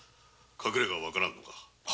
隠れがは分からんのか？